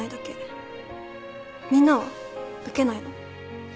みんなは？受けないの？